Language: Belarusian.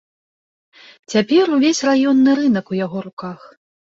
Цяпер увесь раённы рынак у яго руках.